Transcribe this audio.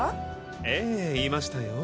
ええいましたよ。